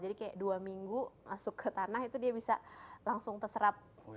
jadi kayak dua minggu masuk ke tanah itu dia bisa langsung terserap